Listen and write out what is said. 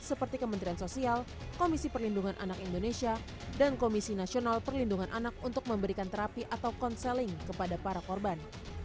seperti kementerian sosial komisi perlindungan anak indonesia dan komisi nasional perlindungan anak untuk memberikan terapi atau konseling kepada para korban